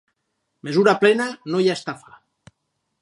Mesura plena, no hi ha estafa.